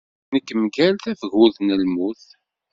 Nekk mgal tafgurt n lmut.